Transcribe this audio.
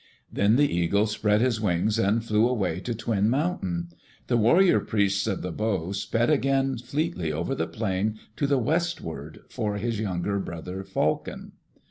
Then the Eagle spread his wings and flew away to Twin Mountain. The Warrior Priests of the Bow sped again fleetly over the plain to the westward for his younger brother, Falcon.